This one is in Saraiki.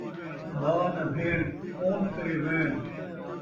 ماء ناں بھیݨ ، کون کرے ویݨ